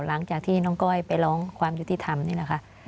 หลังจากที่น้องก้อยไปร้องความยุติธรรมนี่แหละค่ะ